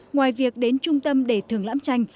ngoài việc đến trung tâm để thưởng lãm tranh